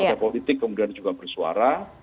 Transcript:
dan juga politik kemudian juga bersuara